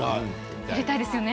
撮りたいですよね。